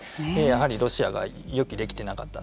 やはりロシアが予期できていなかった。